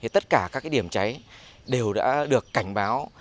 tất cả các điểm cháy đều đã được cảnh báo